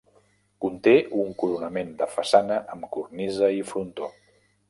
Conté un coronament de façana amb cornisa i frontó.